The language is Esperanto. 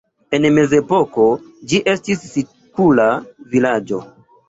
En mezepoko ĝi estis sikula vilaĝo.